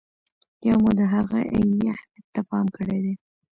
یا مو د هغه عیني اهمیت ته پام کړی دی.